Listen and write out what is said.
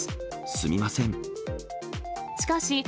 すみません。